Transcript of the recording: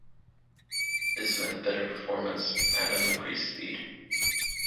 This meant better performance and an increased speed.